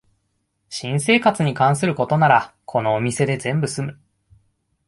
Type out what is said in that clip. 新生活に関することならこのお店で全部すむ